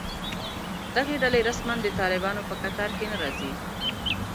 دغه ډلې رسماً د طالبانو په کتار کې نه راځي